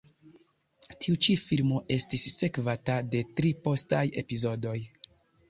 Tiu ĉi filmo estis sekvata de tri postaj epizodoj.